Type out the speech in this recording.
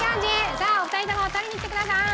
さあお二人とも取りに来てくださーい。